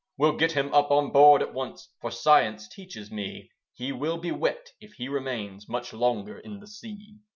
"We'll get him up on board at once; For Science teaches me, He will be wet if he remains Much longer in the sea."